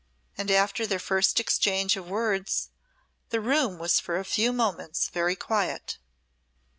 And after their first exchange of words the room was for a few moments very quiet.